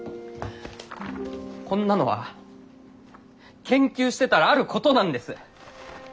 こんなのは研究してたらあることなんです。